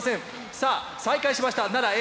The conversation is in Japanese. さあ再開しました奈良Ａ